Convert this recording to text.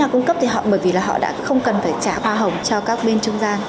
nhà cung cấp thì họ bởi vì là họ đã không cần phải trả hoa hồng cho các bên trung gian